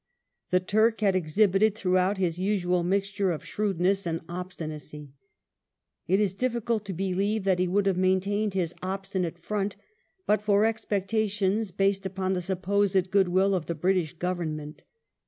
The Turk had exhibited, throughout, his usual mixture of shrewd ness and obstinacy. It is difficult to believe that he would have maintained his obstinate front, but for expectations based upon the supposed good will of the British Government.